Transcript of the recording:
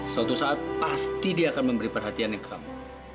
suatu saat pasti dia akan memberi perhatian yang kamu